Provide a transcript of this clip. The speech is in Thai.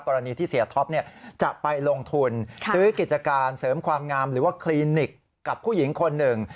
กรณีที่เสียท็อปจะไปลงทุนซื้อกิจการเสริมความงามหรือว่าคลินิกกับผู้หญิงคนหนึ่ง